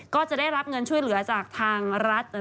ก็จะได้รับเงินช่วยเหลือจากทางรัฐ